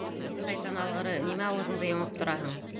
— Ә һин — шайтан алғыры, нимә ауыҙыңды йомоп тораһың?